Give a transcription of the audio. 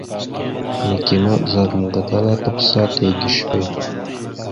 Neke ma ɓəzagaam gatala tʉkəsa tige səwe.